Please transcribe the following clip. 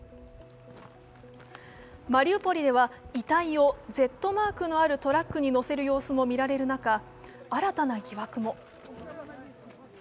マリウポリでは遺体をＺマークのあるトラックにのせる様子も見られる中新たな疑惑も。